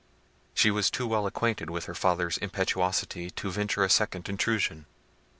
She was too well acquainted with her father's impetuosity to venture a second intrusion.